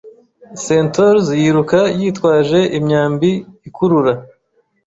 Centaurs yiruka yitwaje imyambi ikurura